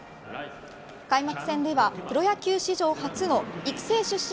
開幕戦ではプロ野球史上初の育成出身